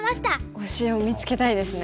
推しを見つけたいですね。